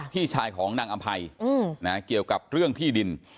พี่ชายของนางอำภัยเกี่ยวกับเรื่องที่ดิน